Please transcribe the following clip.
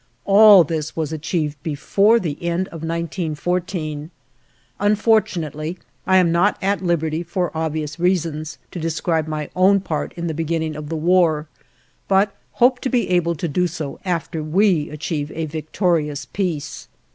All this was achieved before the end of 1914. Unfortunately I am not at liberty, for obvious reasons, to describe my own part in the beginning of the War, but hope to be able to do so after we achieve a victorious peace.